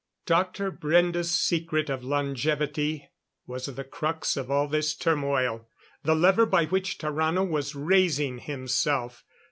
Dr. Brende's secret of longevity was the crux of all this turmoil the lever by which Tarrano was raising himself.